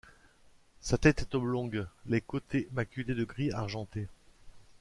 Sa tête est oblongue, les côtés maculés de gris argenté.